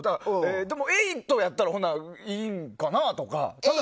でも∞やったらいいんかなとか。